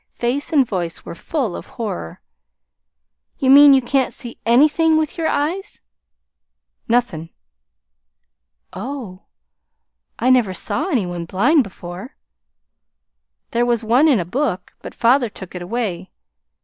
Face and voice were full of horror. "You mean you can't see anything, with your eyes?" "Nothin'." "Oh! I never saw any one blind before. There was one in a book but father took it away.